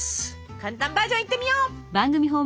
簡単バージョンいってみよう！